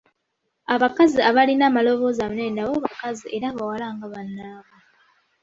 Abakazi abalina amaloboozi amanene nabo bakazi era bawala nga bannaabwe.